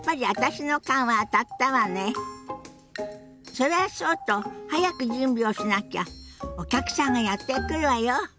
それはそうと早く準備をしなきゃお客さんがやって来るわよ。